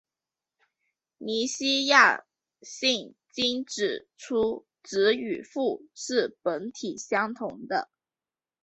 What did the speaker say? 尼西亚信经指出子与父是本体相同的。